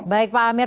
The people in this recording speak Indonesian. baik pak amir